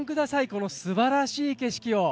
このすばらしい景色を！